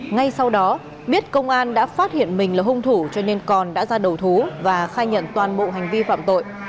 ngay sau đó biết công an đã phát hiện mình là hung thủ cho nên còn đã ra đầu thú và khai nhận toàn bộ hành vi phạm tội